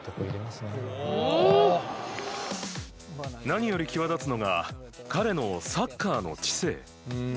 何より際立つのが彼の、サッカーの知性。